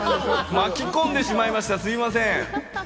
巻き込んでしまってすみません。